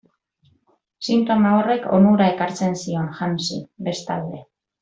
Sintoma horrek onura ekartzen zion Hansi, bestalde.